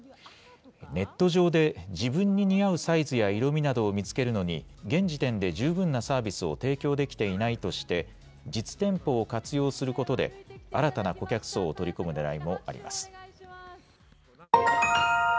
ネット上で自分に似合うサイズや色味などを見つけるのに、現時点で十分なサービスを提供できていないとして、実店舗を活用することで、新たな顧客層を取り込むねらいもあります。